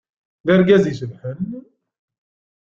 D argaz icebḥen.